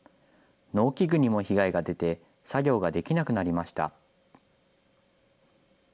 農機具にも被害が出て、作業ができなくなりました。